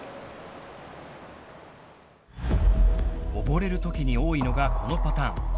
溺れるときに多いのがこのパターン。